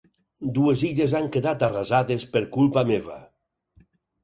Dues illes han quedat arrasades per culpa meva!